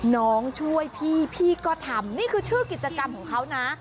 น้องช่วยพี่พี่ก็ทำนี่คือชื่อกิจกรรมของเขานะ